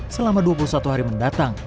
selama dua puluh satu hari mendatang